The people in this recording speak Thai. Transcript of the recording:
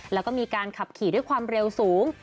แล้วก็มีการขับขี่ด้วยความเร็วสูง